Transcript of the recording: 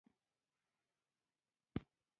غلط فهمي موجوده وه.